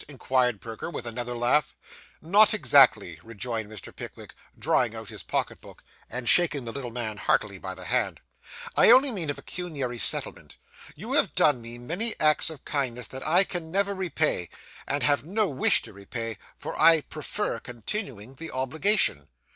inquired Perker, with another laugh. 'Not exactly,' rejoined Mr. Pickwick, drawing out his pocket book, and shaking the little man heartily by the hand, 'I only mean a pecuniary settlement. You have done me many acts of kindness that I can never repay, and have no wish to repay, for I prefer continuing the obligation.